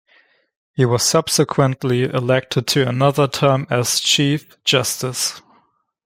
He was subsequently elected to another term as Chief Justice.